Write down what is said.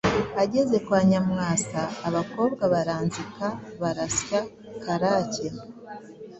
Ageze kwa Nyamwasa abakobwa baranzika barasya, Karake